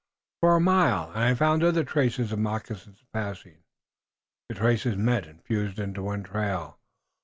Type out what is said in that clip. "For a mile, and I found other traces of moccasins passing. The traces met and fused into one trail.